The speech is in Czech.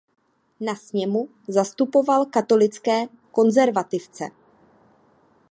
Na sněmu zastupoval katolické konzervativce.